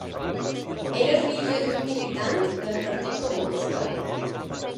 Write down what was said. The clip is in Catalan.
Era filla d'un militant del Partit Comunista.